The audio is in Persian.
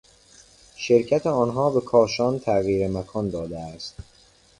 شرکت آنها به کاشان تغییر مکان داده است.